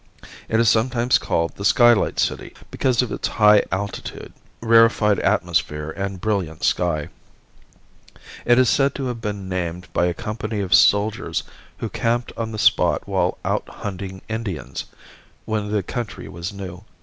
It is sometimes called the Skylight City because of its high altitude, rarefied atmosphere and brilliant sky. It is said to have been named by a company of soldiers who camped on the spot while out hunting Indians, when the country was new.